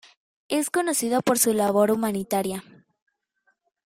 Es conocido por su labor humanitaria.